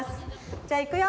じゃあいくよ！